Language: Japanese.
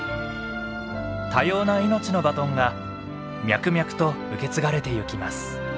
多様な命のバトンが脈々と受け継がれてゆきます。